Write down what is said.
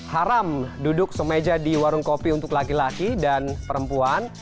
haram duduk semeja di warung kopi untuk laki laki dan perempuan